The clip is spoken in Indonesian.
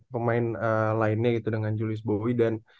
pemain lainnya gitu dengan julius bobi dan